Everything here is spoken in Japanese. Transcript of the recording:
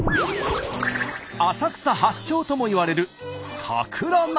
浅草発祥ともいわれる桜鍋。